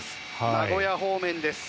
名古屋方面です。